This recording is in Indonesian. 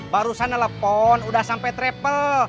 barusan nelfon udah sampai travel